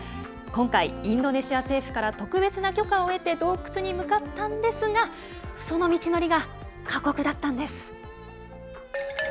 今回、インドネシア政府から特別な許可を得て洞窟に向かったんですがその道のりが過酷だったんです。